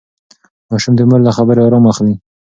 ماشوم د مور له خبرې ارام اخلي.